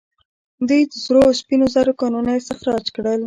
دوی د سرو او سپینو زرو کانونه استخراج کړل